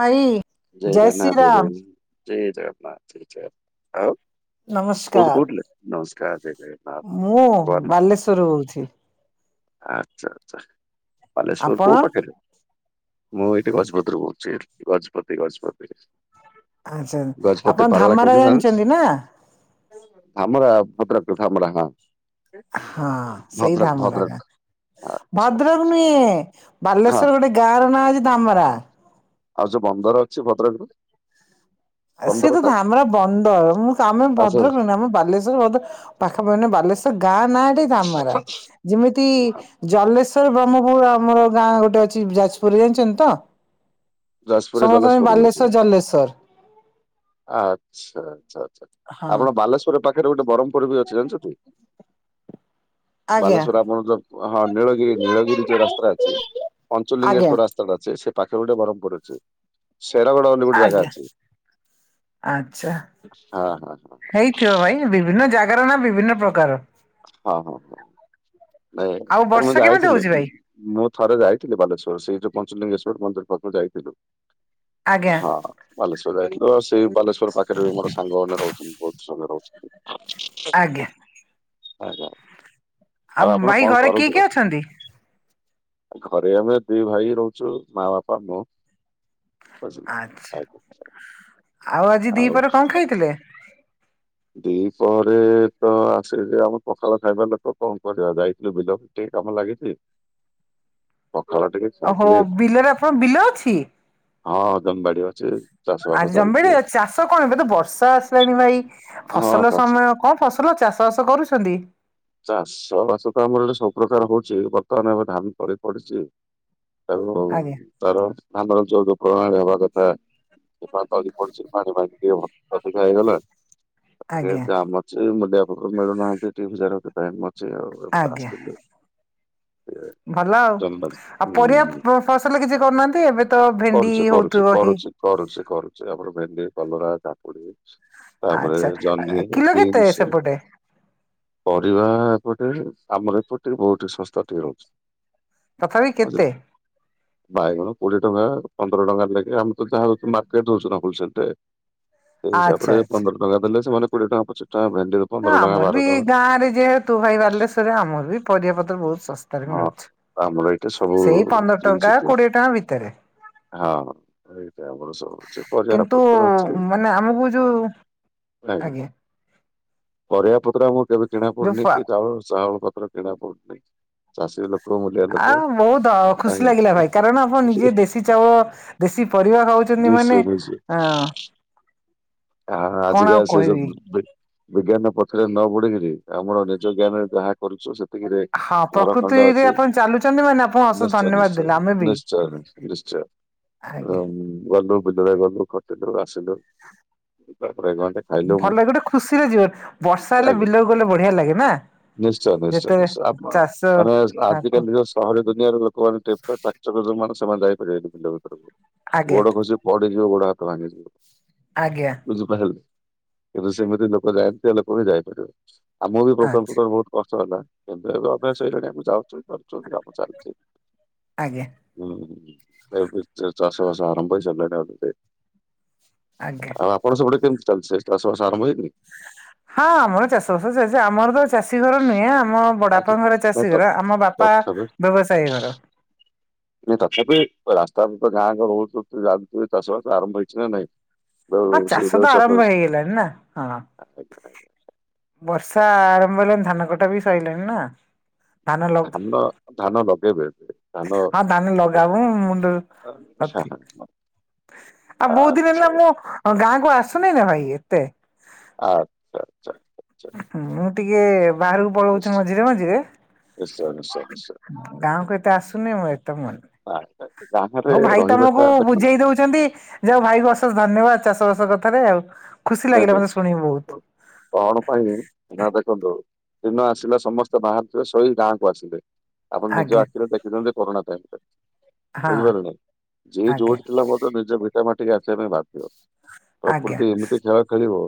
ଭାଇ। ଜୟ ଶ୍ରୀ ଜଗନ୍ନାଥ ଜୟ ରାମ ଜଗନ୍ନାଥ ଜୟ ଜଗନ୍ନାଥ ଜୟ ଜଗ ଆଉ କୋଉଠୁ ନମସ୍କାର କହୁଥିଲେ? ନମସ୍କାର ଜୟ ଜଗନ୍ନାଥ ମୁଁ ଭଗବାନ ବାଲେଶ୍ଵରରୁ କହୁଛି। [inaudible] ଆଚ୍ଛା ଆଚ୍ଛା। ବାଲେଶ୍ଵର କୋଉ ଆପଣ ପାଖରେ? ମୁଁ ଏଇଠୁ ଗଜପତି ରୁ କହୁଛି, ଗଜପତି ଗଜପତି। ଆଚ୍ଛା ଗଜପତି ଆପଣ ପାରଳା ଧାମରା କେଉଁଠି ଜାଣିଛନ୍ତି ନା? ଧାମରା ଭଦ୍ରକର ଧାମରା ହଁ। ହଁ ସେଇ ଭଦ୍ରକ ଧାମରା ଭଦ୍ରକ ଗାଁ ଆଚ୍ଛା ଆଚ୍ଛା ଭଦ୍ରକ ନୁହେଁ ହଁ ବାଲେଶ୍ଵର ଗୋଟେ ଗାଁର ନାଁ ଅଛି ଧାମରା। ଆଉ ଯୋଉ ବନ୍ଦର ଅଛି ଭଦ୍ରକର ଆ ସେ ତ ଧାମରା ବନ୍ଦର ମୁଁ ଆମେ ଆଚ୍ଛା ଭଦ୍ରକ ନୁହେଁ ଆମେ ବାଲେଶ୍ଵର। [unintelligible] ପାଖାପାଖିନା ବାଲେଶ୍ଵର ଗାଁ ନାଁ ଟି ଧାମରା। ଯେମିତି ଜଲେଶ୍ଵର ବ୍ରହ୍ମପୁର ଆମର ଗାଁ ଗୋଟେ ଅଛି ଯାଜପୁରରେ ଜାଣିଛନ୍ତି ତ? ଯାଜପୁରରେ ସମସ୍ତ ପାଇଁ ଜଲେଶ୍ଵରରେ ଅଛି ବାଲେଶ୍ଵର ଜଲେଶ୍ଵର। ଆଚ୍ଛା ଆଚ୍ଛା ଆଚ୍ଛା ହଁ ଆପଣ ବାଲେଶ୍ୱରେ ପାଖ ପାଖରେ ଗୋଟେ ବରମପୁର ବି ଅଛି ଜାଣିଛନ୍ତି? ଆଜ୍ଞା ବାଲେଶ୍ଵର ଆମଣ ତ ହଁ ନୀଳଗିରି ଆଜ୍ଞା। ନୀଳଗିରି ଯୋଉ ରାସ୍ତା ଅଛି। ପଞ୍ଚଲିଙ୍ଗେଶ୍ୱର ରାସ୍ତା ଟା ଅଛି ସେ ପାଖେ ଗୋଟେ ବରମପୁର ଅଛି। ଶେରଗଡ ବୋଲି ଗୋଟେ ଜାଗା ଆଜ୍ଞା ଅଛି ହଁ ହଁ ହ ଥିବ ଭାଇ ବିଭିନ୍ନ ଜାଗାର ନାଁ ବିଭିନ୍ନ ପ୍ରକାର। ହଁ ହଁ ହଁ ନାଇଁ ଆଉ ଆମେ ବର୍ଷା କେମିତି ଯାଇଥିଲୁ ହଉଛି ଭାଇ ମୁଁ ଥରେ ଯାଇଥିଲି ବାଲେଶ୍ୱର ସେଇ ଯୋଉ ପଞ୍ଚଲିଙ୍ଗେଶ୍ଵର ମନ୍ଦିର ପାଖକୁ ଯାଇଥିଲୁ। ଆଜ୍ଞା ହଁ। ବାଲେଶ୍ଵର ଯାଇଥିଲୁ ଆଉ ସେଇ ବାଲେଶ୍ଵର ପାଖରେ ବି ମୋର ସାଙ୍ଗମାନେ ରହୁଛନ୍ତି ବହୁତ ସାଙ୍ଗ ରହୁଛନ୍ତି। ଆଜ୍ଞା। ଆଜ୍ଞା ଆଉ ଆପଣ ଭାଇ କଣ ଘରେ କିଏ କରନ୍ତି କିଏ କଣ? ଅଛନ୍ତି? ଘରେ ଆମେ ଦି ଭାଇ ରହୁଚୁ ମାଁ, ବାପା, ମୁଁ। ବୁଝିଲେ। ଆଚ୍ଛା ଆଜ୍ଞା ଆଉ ଆଜି ଦି ପହରେ କଣ ଖାଇଥିଲେ? ଦି ପହରେ ତ ଆସିକି ଆମେ ପଖାଳ ଖାଇବା ଲୋକ। କଣ କରିବା ଯାଇଥିଲୁ ବିଲକୁ ଟିକେ କାମ ଲାଗିଚି ପଖାଳ ଟିକେ ଓହୋ ଖାଇଥିଲି ବିଲରେ ଆପଣଙ୍କ ବିଲ ଅଛି? ହଁ ଜମି ବାଡି ଅଛି ଚାଷ ବାସ ଚାଲୁଚି। ତ କଣ ଏବେ ତ ବର୍ଷା ଆସିଲାଣି ଭାଇ ହଁ ଫସଲ ଚାଷ ସମୟ କଣ ଫସଲ ଚାଷ ବାସ କରୁଛନ୍ତି? ଚାଷ ବାସ ତ ଆମର ଏଠି ସବୁ ପ୍ରକାର ହଉଚି ବର୍ତ୍ତମାନ ଏବେ ଧାନ ତଳି ପଡିଚି। ଆଉ ଆଜ୍ଞା ତାର ଆମର ଯୋଉ ଯୋଉ ପ୍ରଣାଳୀ ହବା କଥା ସେ ପା ତଳି ପଡିଛି ପାଣି ପାଣି ଟିକେ ଅଧିକା ହେଇଗଲେ। ଏ ଆଜ୍ଞା ଜାମ ଅଛି ମୂଲିଆ ଲୋକ ମିଳୁନାହାନ୍ତି ଦି ହଜାର [unintelligible] ଚି ଆଉ ଏବେ ଆଜ୍ଞା। ଟାସ୍କ କିଲେ। ଭଲ ଆଉ ଆଉ ହୁଁ ପରିବା ଫସଲ କିଛି କରୁନାହାନ୍ତି ଏବେ ତ ଭେଣ୍ଡି ହଉଥିବ ହେଇ କରୁଚି କରୁଚି ଆମର ଭେଣ୍ଡି, କଲରା, କାକୁଡି। ତାପରେ ଆଚ୍ଛା ଜହ୍ନି, କିଲୋ କେତେ ବିନ୍ସ। ସେପଟେ ପରିବା ଏପଟେ ଆମର ଏପଟେ ବହୁତ ସସ୍ତା ଥିବ। ତଥାପି କେତେ ବୁଝିଲେ ବାଇଗଣ କୋଡିଏ ଟଙ୍କା ପନ୍ଦର ଟଙ୍କା ଲାଖେ ଆମେ ତ ଯାହା ହଉଚି ମାର୍କେଟ ରେ ଦଉଚୁ ନା ହୋଲସଲରେ। ସେଇ ହିସାବ ଆଚ୍ଛା ରେ ଆଚ୍ଛା। ପନ୍ଦର ଟଙ୍କା ଦେଲେ ସେମାନେ କୋଡିଏ ଟଙ୍କା ପଚିଶ ଟଙ୍କା [unintelligible] ହଁ ଆମର ବି ବାର ଟଙ୍କା ଗାଁ ରେ ଯେହେତୁ ଭାଇ ବାଲେଶ୍ଵରେ ଆମର ବି ପରିବା ପତ୍ର ବହୁତ ଶସ୍ତାରେ ହଁ ମିଳୁଛି। ଆମର ଏଇଟା ସବୁ ସେଇ ପନ୍ଦର ଜିନିଷ ଟଙ୍କା ଦିଏ କୋଡିଏ ଟଙ୍କା ଭିତରେ। ହଁ। ଏଇଟା ଆମର ସବୁ ଅଛି ପରିବା କିନ୍ତୁ ପତ୍ର ଅଛି ମାନେ ଆମକୁ ଯୋଉ ଆଜ୍ଞା। ପରିବା ପତ୍ର ଆମକୁ କେବେ କିଣା ଯୋଉ ପଡୁନି ଫା କି ଚାଉଳ ଚାଉଳ ପତ୍ର କିଣା ପଡୁନି। ଚାଷୀ ଲୋକ୍ ଆଉ ବହୁତ ଅ ଖୁସି ଲାଗିଲା ଭାଇ କାରଣ ଆପଣ ନିଜେ ଦେଶୀ ଚାଉଳ ଦେଶୀ ପରିବା ଖାଉଚନ୍ତି ମାନେ ନିଶ୍ଚୟ ନିଶ୍ଚୟ। ଆଁ ଆ ଆଜିକା ସେ କହିବି ଯୋଉ ବିଜ୍ଞାନ ପଛରେ ନ ଗୁଡେଇକିରି ଆମର ନିଜ ଜ୍ଞାନରେ ଯାହା କରୁଚୁ ସେତିକିରେ ହଁ ଘର ଖଣ୍ଡେ ପ୍ରକୃତିରେ ଅଛି ଆପଣ ଚାଲୁଛନ୍ତି ମାନେ ଆପଣ ଅଶେଷ ନିଶ୍ଚୟ ଧନ୍ୟବାଦ ନିଶ୍ଚୟ ଦେଲେ ଆମେ ବି ନିଶ୍ଚୟ ନି ନିଶ୍ଚୟ। ଆଜ୍ଞା। ଆଉ ଗଲୁ ବିଲରେ ଗଲୁ ଖଟିଲୁ ଆସିଲୁ। ତାପରେ ଗଣ୍ଡେ ଭଲ ଲାଗେ ଗୋଟେ ଖୁସିରେ ଯିବ ବର୍ଷା ହେଲେ ଆଜ୍ଞା ବିଲକୁ ଗଲେ ବଢିଆ ଲାଗେ ନା? ନିଶ୍ଚୟ ନିଶ୍ଚୟ ଯେତେବେଳେ ନିଶ୍ଚୟ ଆପଣ ଚାଷ ମାନେ ଆଜି ଆକୁ କାଲି ଯୋଉ ସହରୀ ଦୁନିଆର ଲୋକମାନେ [unintelligible] ଯୋଉ ମାନେ ସେମାନେ ଯାଇପାରିବେନି ବିଲ ଭିତରକୁ ଆଜ୍ଞା ଗୋଡ ଖସି ପଡିଯିବେ ଗୋଡହାତ ଭାଙ୍ଗି ଯିବ। ଆଜ୍ଞା। ବୁଝିପାଇଲେ କିନ୍ତୁ ସେମିତି ଲୋକ ଯାଣିଥିବା ଲୋକ ବି ଯାଇପାରିବ। ଆମକୁ ବି ପ୍ରଥମେ ଆଚ୍ଛା ପ୍ରଥମେ ବହୁତ କଷ୍ଟ ହେଲା କିନ୍ତୁ ଏବେ ଅଭ୍ୟାସ ହେଇଗଲାଣି ଆମ ଯାଉଚୁ, କରୁଚୁ, କାମ ଚାଲିଚି। ଆଜ୍ଞା। ହୁଁ, ତାପରେ ଚାଷବାସ ଆରମ୍ଭ ହେଇସାରିଲାଣି ଆ ଭିତରେ। ଆଜ୍ଞା। ତମର ସେପଟେ କେମତି ଚାଲିଚି? ଚାଷ ବାସ ଆରମ୍ଭ ହେଇନି? ହ ହଁ, ଆମର ଚାଷ ବାସ ଚାଲଚି। ଆମର ତ ଚାଷୀ ଘର ନୁହେଁ, ଆମ ଆଚ୍ଛା। ବଡାବାପା ଘର ନାଇଁ ଚାଷୀ ତ ଘର। ଆମ ବାପା ତଥାପି ବ୍ୟବସାୟ କର ତଥାପି ରାସ୍ତା ତ ଯାଁ ରହୁଛ ଯାଉିବ ଚାଷବାସ ଆରମ୍ଭ ହେଇଛି ନା ନାଇଁ [unintelligible] ହଁ, ବେଉ- ସେ ଚାଷ ବେଉ ତ ଆରମ୍ଭ ଅଛି। ହେଇଗଲାଣି ନା, ହଁ। ଆଜ୍ଞା, ଆଜ୍ଞା। ବର୍ଷା ଆରମ୍ଭ ହେଲେଣି, ଧାନ କଟା ବି ସଇଲାଣି, ନା। ଧାନ, ଧାନ ଲଗେଇବେ ଏବେ। ଧାନ ହଁ, ଧାନ ଲଗାଉ। ମୁଣ୍ଡ ଆଚ୍ଛା ଅଛି। ଆଉ ବହୁତ ଦିନ ଆଚ୍ଛା ହେଲା ମୁଁ ଗାଁ କୁ ଆସୁନି ନା ଭାଇ ଏତେ। ଆଚ୍ଛା, ଆଚଛା। ମୁଁ ଟିକେ ବାହାରକୁ ପଳଉଚି ମଝିରେ ମଝିରେ। ନିଶ୍ଚୟ ନିଶ୍ଚୟ ନିଶ୍ଚୟ। ଗାଁକୁ ଏତେ ଆସୁନି ମଁ ଏତେ, ମନ ଆଚ୍ଛା, ଗାଁରେ ହଉ ଭାଇ ତମକୁ ରହିବାଟା ବେଟର ବୁଝେଇ ଦଉଚି। ଯଉ ଭାଇ କ ଅଶେଷ ଧନ୍ୟବାଦ ଚାଷବାସ କଥାରେ ଆଉ। ଖୁସି ଆ ଲାଗିଲା ଭ ମତେ ଶୁଣିକି ବହୁତ [unintelligible] କଣ ପାଇଁ ନା ଦେଖନ୍ତୁ, ଦିନ ଆସିଲେ ସମସ୍ତେ ବାହାରିଥିବେ ଶୋଇ ଗାଁକୁ ଆସିବେ। ଆପଣ ନିଜ ଆଜ୍ଞା ଆଖିରେ ଦେଖିଚନ୍ତି କରୋନା ଟାଇମରେ। ହଁ ବୁଝିପାରିଲେ? ଜିଏ ଆଜ୍ଞା ଯୋଉଠି ଥିଲା ନିଜ ଭିଟା ମାଟିକି ଆସିବା ପାଇଁ ବାଧ୍ୟ। ଆଜ୍ଞା ପ୍ରକୃତି ଏମିତି ଖେଳ ଖେଳିବ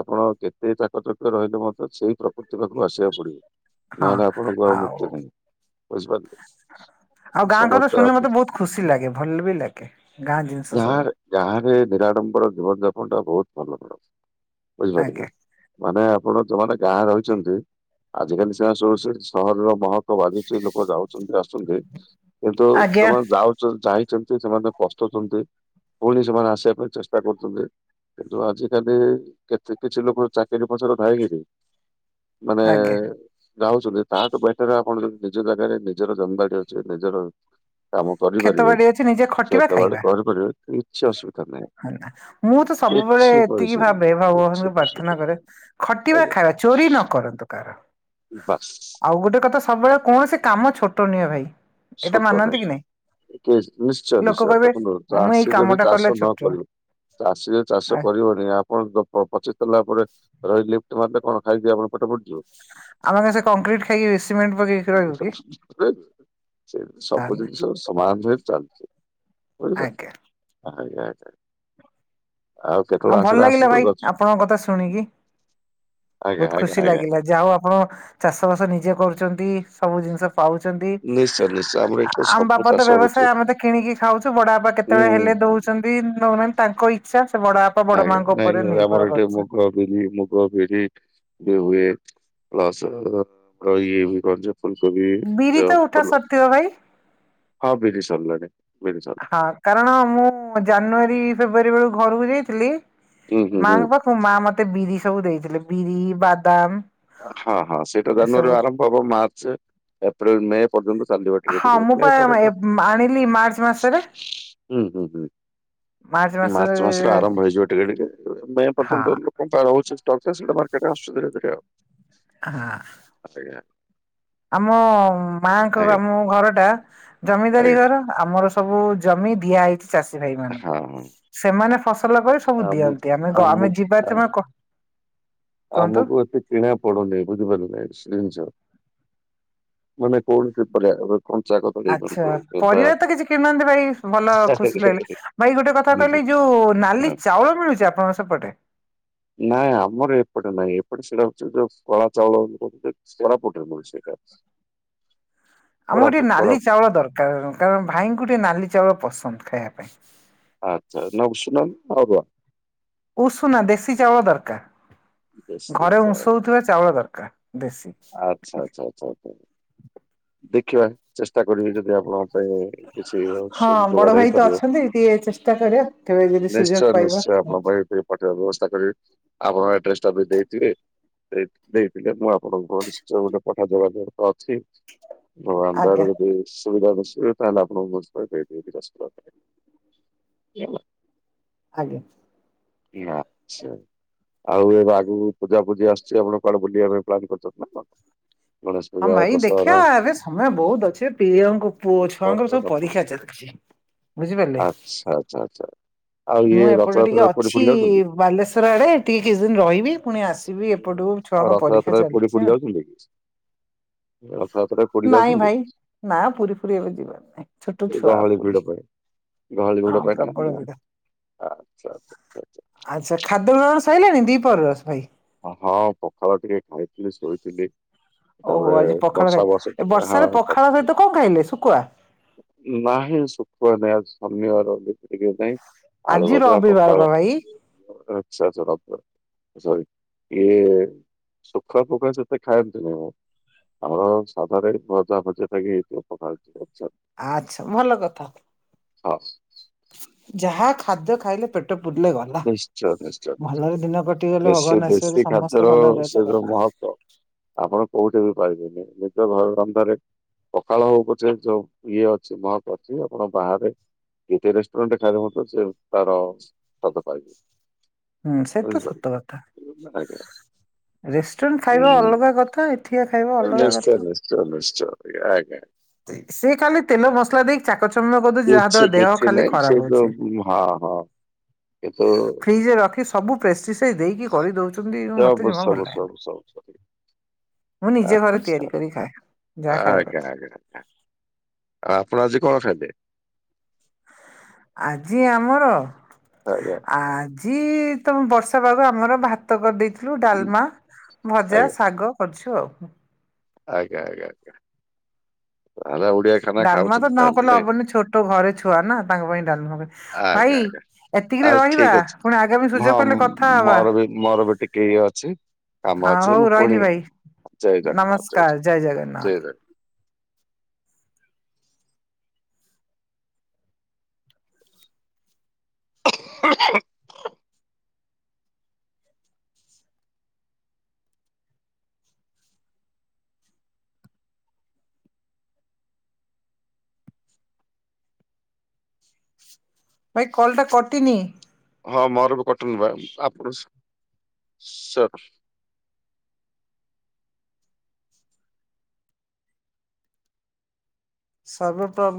ଆପଣ କେତେ ଚାକର ବାକର ରହିଲେ ମଧ୍ୟ, ସେଇ ପ୍ରକୃତି ପାଖକୁ ଆସିବାକୁ ପଡିବ। ହଁ ନହେଲେ ଆପଣ ଗ୍ରହ ମୁକ୍ତି ଆଉ ନାହିଁ, ବୁଝିପାରିଲେ? ଆଉ ଗାଁ କଥା ସମସ୍ତେ ଶୁଣିଲେ ଆପ- ମତେ ବହୁତ ଖୁସି ଲାଗେ। ଭଲ ବି ଲାଗେ। ଗାଁ ଜିନିଷ ସବୁ ବାହାରେ ନିରାଡମ୍ବର ଜୀବନ ଯାପନ ଟା ବହୁତ ଭଲ ମିଳୁଚି, ବୁଝିପାରିଲେ ନା? ଆଜ୍ଞା ମାନେ ଆପଣ ଯୋଉମାନେ ଗାଁରେ ରହିଛନ୍ତି। ଆଜିକାଲି ସେମାନେ ସବୁ ସେ ସହରର ମହ ଲୋକ ଭଧୁଛି ଲୋକ ଯାଉଛନ୍ତି ଆସୁଛନ୍ତି କିନ୍ତୁ ଆଜ୍ଞା ସେମାନେ ଯାଉ [unintelligible] ଯାଇଛନ୍ତି ସେମାନେ ପସ୍ଥଉଛନ୍ତି। ପୁଣି ସେମାନେ ଆସିବା ପାଇଁ ଚେଷ୍ଟା କରୁଛନ୍ତି। କିନ୍ତୁ ଆଜିିକାଲି କେତେ କିଛି ଲୋକ ଚାକିରି ପଛରେ ଥାଇ କିରି ମାନେ ଆଜ୍ଞା ଯାଉଛନ୍ତି ତାଠୁ ବେଟର ଆପଣ ଯ ନିଜ ଜାଗାରେ ନିଜର ଜମବାଡି ଅଛି। ନିଜର କାମ କ୍ଷେତ କରିପାରିବେ। ବାଡି ଅଛି ନିଜେ ଖଟିବା ସେତେବେଳେ ଖାଇବା କରିପାରିବେ କିଛି ଅସୁବିଧା ନାହିଁ। ମୁଁ ତ ସବୁବେଳେ କିଛି ଏତିକି ପଇସା ନାହିଁ ଭାବେ, କିଛି ଭଗବାନଙ୍କୁ ପଇସା ପ୍ରାର୍ଥନା ନାହିଁ କରେ ଖଟିବା ଆଜ୍ଞା ଖାଇବା। ଚୋରି ନ କରନ୍ତୁ କାହାର। ବାସ୍। ଆଉ ଗୋଟେ କଥା ସବୁବେଳେ କୌଣସି କାମ ଛୋଟ ନୁହେଁ ଭାଇ। ଏଇଟା ଛୋଟ ମାନନ୍ତି ନାଇଁ କି ନିଶ୍ଚୟ ଲୋକ ନିଶ୍ଚୟ, କହିବେ ଦେଖନ୍ତୁ ମୁଁ ଏଇ ଚାଷୀ କାମ ଯଦି ଟା କଲେ ଚାଷ ଛୋଟ ନ ଚାଷୀ ଯଉ ଚାଷ କରିବନି ଆପଣ ପଚି ସରିଲ ପରେ ରହି ଲିଫ୍ଟ ମାରିଲେ କଣ ଖାଇଦି ଆପଣ ପେଟ ପଡିଯିବ [unintelligible] ଆମେ ସେ କଂକ୍ରିଟ୍ ଖାଇକି ବେଶ [unintelligible] ସେ ସବୁ ତାହେଲେ ଜିନିଷ ସମାଧାନ ହେଇ ଚାଲୁଚି। [unintelligible] ଆଜ୍ଞା ଆଉ ଆଉ କେତେବେଳେ ଭଲ ଆସିଲେ ଲାଗିଲା ଆସନ୍ତୁ ଭାଇ [unintelligible] ଆପଣଙ୍କ କଥା ଶୁଣିକି ଆଜ୍ଞା ବହୁତ ଆଜ୍ଞା ଖୁସି ଆଜ୍ଞା! ଲାଗିଲା ଯାହା ହଉ ଆପଣ ଚାଷବାସ ନିଜେ କରୁଚନ୍ତି। ସବୁ ଜିନିଷ ପାଉଚନ୍ତି। ନିଶ୍ଚୟ ନିଶ୍ଚୟ ଆମର ଆ ଏଠି ଆମ୍ ସବୁ ବାପା ତ ଚାଷ ବ୍ୟବସାୟ ହଉଛି ଆମେ ତ କିଣିକି ଖାଉଚୁ ବଡବାପା ହୁଁ କେତେବେଳେ ହୁଁ, ହେଲେ ହୁଁ। ଦଉ ଅଛନ୍ତି [unintelligible] ତାଙ୍କ ଇଚ୍ଛା ସେ ବଡା ଆଜ୍ଞ ନାଇଁ ଆମର ଏଠି ମୁଗ [unintelligible] ମୁଗ, ବିରି ଏ ହୁଏ ପ୍ଲସ କ ଇଏ [unintelligible] ଫୁଲକୋବି ବିରି ଯ ତ ଉଠା ଫୁଲ ସରିଥିବ ଭାଇ ହଁ ବିରି ସାରିଲାଣି ବିରି ସରି ହଁ କାରଣ ମୁଁ ଜାନୁଆରୀ ଫେବୃଆରୀ ବେଳକୁ ଘରକୁ ଯାଇଥିଲି ହୁଁ ହୁଁ ହୁଁ ମାଙ୍କ ପାଖ ମୋ ମା ମତେ ବିରି ସବୁ ଦେଇଥିଲେ ବିରି, ବାଦାମ୍ ହଁ ହଁ ସେଇଟା ଜାନୁଆରୀ ଆରମ୍ଭ ହବ ମାର୍ଚ୍ଚ ଏପ୍ରିଲ ମେ ପର୍ଯ୍ୟନ୍ତ ଚାଲିବ ଟିକେ ହଁ ଟିକେ ମୁଁ ପା ମେ ପରେ [unintelligible] [unintelligible] ମାର୍ଚ୍ଚ ମାସ ହୁଁ ହୁଁ ହୁଁ! ମାର୍ଚ୍ଚ ମାସରୁ ଆରମ୍ଭ ହେଇଯିବ ଟିକେ ଟିକେ ମେ ହଁ ପର୍ଯ୍ୟନ୍ତ ଧ କନ୍ତା ରହୁଚି ସେଇଟା ମାର୍କେଟ ଆସୁ ଧୀରେ ଧୀରେ ଆଉ। ହାଁ! ଆ ସେଇଆ। ଆମ ମାଙ୍କ ଆଜ୍ଞା ଆମ ଘରଟା ଜମିଦାରି ଆଜ୍ଞା ଘର। ଆମର ସବୁ ଜମି ଦିଆ ହେଇଚି ଚାଷୀ ଭାଇ ହଁ ମାନଙ୍କୁ। ହଁ ସେମାନେ ଫସଲ କରି ସବୁ ଆମ ଦିଅନ୍ତି‌। ଆମେ ଗ ଆମେ ଆମ ଯିବା [unintelligible] କୁହନ୍ତୁ। ଆମକୁ ଏତେ କିଣା ପଡୁନି ବୁଝିପାରୁଚନ୍ତି ସେ ଜିନ୍ଷ। କଞ୍ଚା କଦଳୀ ହ ଆଛା କୁହନ୍ତୁ କିମ୍ବା ପରିବା ତ କିଛି କିଣୁନାହାନ୍ତି ଭାଇ ଭଲ ଖୁସି ଲାଗିଲା। ଭାଇ ଗୋଟେ କଥା ହଁ। କଇଲେ ଯୋଉ ନାଲି ଚାଉଳ ମିଳୁଚି ଆପଣଙ୍କ ସେପଟେ? ନାଁ ଆମର ଏ ପଟ ନାଇଁ ଏପଟେ ସେଇଟା ହଉ ଯୋଉ କଳା ଚାଉଳରା ପ ସେଇଟା। ଆମକୁ ଟିକେ କୋରାପୁଟ କୋରାପୁଟ ନାଲି ଚାଉଳ ଦରକାର କାରଣ ଭାଇଙ୍କୁ ଟିକେ ନାଲି ଚାଉଳ ପସନ୍ଦ ଖାଇବା ପାଇଁ। ଆଚ୍ଛା ନା‌ ଉସୁୁନା ନା ଅରୁଆ। ଉଷୁନା ଦେଶୀ ଚାଉଳ ବେଶ୍ ଦରକାର। ଘରେ ଆଚ୍ଛା ଉଷଉଥିବା ଚାଉଳ ଦରକାର ଦେଶୀ। ଆଚ୍ଛା ଆଚ୍ଛ ଆଚ୍ଛା। ଦେଖିବା ଚେଷ୍ଟା କରିବି ଯଦି ଆପଣଙ୍କ ପାଇଁ କିଛି ହଁ [unintelligible] ବଡ ଯୋଗାଡ ଭାଇ ତ ହେଇପାରିବ ଅଛନ୍ତି ଟିକେ ଚେଷ୍ଟା କରିବା କେବେ ଯଦି ସୁଯୋଗ ନିଶ୍ଚୟ ପାଇବା ନିଶ୍ଚୟ ଆପଣ ପାଇଁ ଟି ପଠେଇ ବ୍ୟବସ୍ଥା କରିବି ଆପଣଙ୍କ ଆଡ୍ରେସଟା ବି ଦେଇଥିବେ‌। ଦେଇ ଦେଇ [unintelligible] ମୁଁ ଆପଣଙ୍କୁ ନିଶ୍ଚୟ ଗୋଟେ [unintelligible] ଅଛି। ଆଜ୍ଞା [unintelligible] ସୁବିଧା [unintelligible] ତା ହେଲେ ଆଣଙ୍କୁ ବସ୍ତା ଦେଇ ଦେବି କିଛି ଅସୁବିଧା ନାହିଁ। [unintelligible] ଆଜ୍ଞା! [unintelligible] ଆଉ ଏବେ ଆଗକୁ ପୂଜାପୂଜି ଆସୁଛି ଆପଣ କୁଆଡେବୁଲିବା ପାଇଁ ପ୍ଲାନ୍ କରିୁଚନ୍ତି ନା କଣ ଗଣେଶ ହଁ ପୂଜା ଭାଇ ଦେଖିବା ଦଶହରା ଏବେ ସମୟ ବହୁତ୍ ଅଛି ପିଲଅଙ୍କ ପୁଅ ଛୁଆଙ୍କର ର- ସବୁ ରଥ ପରୀକ୍ଷା ଚାଲିଚି। ବୁଝିପାରିଲେ। ଆଛ ଆଚ୍ଛା ଆଚଛା ଆଉ ମୁଁ ଇଏ ଏପଟେ ଟିକେ ରଥଯାତ୍ର ଅଛି ବାଲେଶ୍ୱର ଆଡେ ଟିକେ କିଛି ଦିନ ରହିବି ପୁଣି ଆସିବି ଏପଟକୁ ଛୁଆଙ୍କ ପରି ପଦାରେ ପଡି ପଡି ଯାଉଛନ୍ତି। ରଥଯାତ୍ରାରେ ପୁରୀ [inaudible] ନାଇଁ ଯାଉଛନ୍ତି? ଭାଇ ନା ପୁରୀ ଫୁରୀ ଏବେ ଯିବାର ନାହିଁ ଛୋଟ ଏ ଛୁଆ ଗହଳି ଭିଡ ପୁରୀ ପାଇଁ ହଁ ପ୍ରବଳ ଭିଡ ଆଛା ଆଚ୍ଛା ଖାଦ୍ୟ ଗ୍ରହଣ ସରିଲାଣି ଦିପହରର ଭାଇ ହଁ ପଖାଳ ଟିକେ ଖାଇଥିଲି ଶୋଇଥିଲି। ଓହୋ ତାପରେ ଆଜି ପଖାଳ ଖାଇ ବସା ବସି ଏ ଟିକେ ହଁ ବର୍ଷାରେ ପଖାଳ ସହିତ ପକ୍ଷ କଣ ଖାଇଲେ ଶୁଖୁଆ ନାହିଁ ଶୁଖୁଆ ନାଁଇ ଆଜି ଶନିବାର ଟିକେ ନାଇଁ ଆଳୁ ଆଜି ଭଜା ରବିବାର ବା ପଖାଳ ଭାଇ [unintelligible] ଇଏ ଶୁଖୁଆ ଫୁଖୁଆ ସେତେ ଖାଆନ୍ତିନି ମ ଆମର ସାଧାରେ ଭଜା ଭଜି ଲଗେଇ ପଖାଳ ଭାତ ଖାଉଛୁ ଆଚ୍ଛା ଭଲ କଥା ହଁ ଯାହା ଖାଦ୍ୟ ଖାଇଲେ ପେଟ ପଟ ପୁରିଲେ ଗଲା ନିଶ୍ଚୟ ନିଶ୍ଚୟ ନିଶ୍ଚୟ ଭଲରେ ଦିନ କଟିଗଲେ, ଦେଶୀ ଭଗବାନ ଆଶୀର୍ବାଦ ଦେଶୀ ସମସ୍ତେ ଖାଦ୍ୟର ଭଲରେ ସେ ରହିଲେ ଯୋଉ ଗଲା [inaudible] ମହତ୍ଵ ଆପଣ କୋଉଠି ବି ପାଇବେନି ନିଜ ଘର ଧନ୍ଦାରେ ପଖାଳ ହଉ ପଛେ ଯୋଉ ଇଏ ଅଛି। ମହତ୍ ଅଛି ଆପଣ ବାହାରେ। ନିଜ ରେଷ୍ଟୁରାଣ୍ଟ ଖାଇଲେ ମଧ୍ୟ ତାର ସ୍ବାଦ ପାଇବେ। ହୁଁ ସେ ତ ବୁଝିପାରିଲେ ସତ କଥା। ଆଜ୍ଞା ରେଷ୍ଟୁରାଣ୍ଟ ଖାଇବା ଅଲଗା ହୁଁ କଥା, ଏଠିକା ଖାଇବା ଅଲଗା କଥା। ସେଟା ନିଶ୍ଚୟ। ଏହା ଆଜ୍ଞା ଠିକ୍ ସିଏ ଖାଲି ତେଲ ମସଲା ଦେଇକି ଚାକଚମ୍ୟ କରିଦେଉଛି ଯାହା ଦ୍ଵାରା ଦେହ ଖାଲି ଖରାପ ହେଉଛି। ଉମୁ ହଁ ହଁ କିନ୍ତୁ ଫ୍ରିଜ ରେ ରଖି ସବୁ ପ୍ରେଷ୍ଟିସାଇ ଦେଇକି କରିଦଉଛନ୍ତି ସବୁ ମତେ ଜମା ଭଲ ସବୁ- ସବୁ ଲାଗେନି। -ସବୁ -ସବୁ- ମୁଁ ନିଜେ ଘରେ ଆଚ୍ଛା ତିଆରି କରି ଖାଏ। ଯାହା ଖାଇବା କଥା ଆଉ ଆପଣ ଆଜି କଣ ଖାଇଲେ? ଆଜି ଆମର‌ ଆଜ୍ଞା ଆଜି ତ ବର୍ଷା ପାଗ ଆମର ଭାତ କରିଦେଇଥିଲୁ। ଥିଲୁ ଡାଲମା, ଭଜା, ଶାଗ କରୁଛୁ ଆଉ ଆଜ୍ଞା, ଆଜ୍ଞା, ଆଜ୍ଞା, ତାହେଲେ ଓଡିଆ ଖାଦ୍ୟ ଡାଲମା ତ ନ କଲେ ହବନି ଛୋଟ ଘରେ ଛୁଆ ନା ତାଙ୍କ ପାଇଁ ଡାଲମା ହୁଏ। ଭାଇ ଆଜ୍ଞା ଆଜ୍ଞା ଆ ଏତିକିରେ ରହିବା ଠିକ ଅଛି ପୁଣି ଆଗାମୀ ହଁ ସୁଯୋଗ ପଡିଲେ ମ- କଥା ହବା। ମୋର ବି ମୋର ବି ଟିକେ ଇଏ ଅଛି। କାମ ହଁ ଅଛି ମୁଁ ହଉ ପୁଣି ରହିଲି ଭାଇ, ଜୟ ଜଗନ୍ନାଥ ଜଗନ୍ନାଥ, ନମସ୍କାର, ଜୟ ଜଗନ୍ନାଥ [unintelligible] ଭାଇ କଲ ଟା କଟିନି ହଁ ମୋର ବି କଟିନି ବା ଆପଣ ସ ସର୍ଭର ପ୍ରବ୍ଲେମ୍